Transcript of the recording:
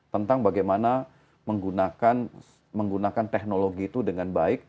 tentang bagaimana menggunakan teknologi itu dengan baik